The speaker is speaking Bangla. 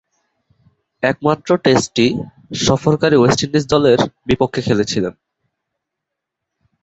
একমাত্র টেস্টটি সফরকারী ওয়েস্ট ইন্ডিজ দলের বিপক্ষে খেলেছিলেন।